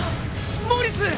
モーリス！